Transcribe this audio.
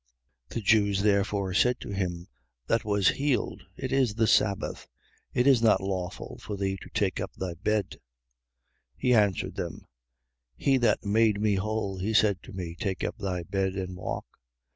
5:10. The Jews therefore said to him that was healed: It is the sabbath. It is not lawful for thee to take up thy bed. 5:11. He answered them: He that made me whole, he said to me: Take up thy bed and walk.